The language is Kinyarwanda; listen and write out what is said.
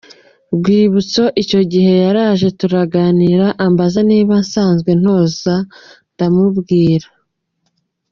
Rwibutso: Icyo gihe yaraje turaganira ambaza niba nsanzwe ntoza, ndamubwira.